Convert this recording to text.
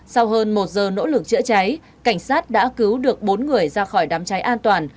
sau hơn một giờ nỗ lực chữa cháy cảnh sát đã cứu được bốn người ra khỏi đám cháy an toàn